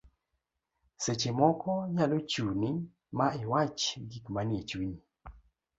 seche moko nyalo chuni ma iwach gik manie chunyi